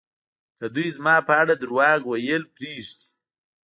که دوی زما په اړه درواغ ویل پرېږدي